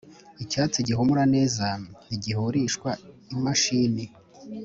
Icyatsi gihumura neza ntigihurishwa imashini,